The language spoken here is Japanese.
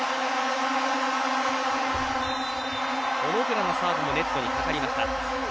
小野寺のサーブはネットにかかりました。